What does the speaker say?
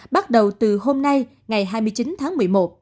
bắt đầu từ hôm nay ngày hai mươi chín tháng một mươi một